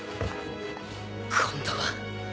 今度は